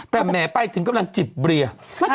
แต่แหมไปถึงกำลังจิบเบียร์